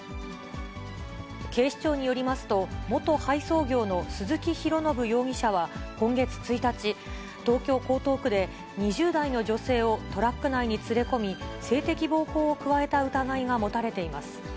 警視庁によりますと、元配送業の鈴木浩将容疑者は今月１日、東京・江東区で、２０代の女性をトラック内に連れ込み、性的暴行を加えた疑いが持たれています。